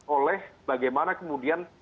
oleh bagaimana kemudian